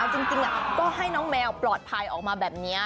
จริงก็ให้น้องแมวปลอดภัยออกมาแบบนี้